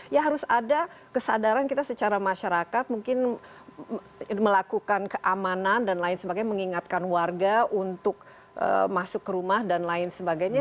ya harus ada kesadaran kita secara masyarakat mungkin melakukan keamanan dan lain sebagainya mengingatkan warga untuk masuk ke rumah dan lain sebagainya